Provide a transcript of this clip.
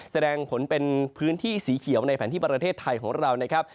แสดงผลเป็นพื้นที่สีเขียวในแผนที่ประเทศไทยของเรานะครับ